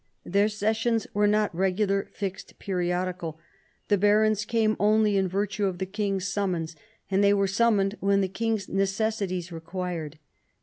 Their sessions were not regular, fixed, periodical. The barons came only in virtue of the king's summons, and they were summoned when the king's necessities required.